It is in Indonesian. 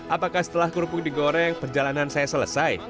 apakah setelah kerupuk digoreng perjalanan saya selesai